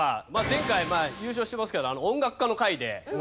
前回優勝してますけど音楽家の回で。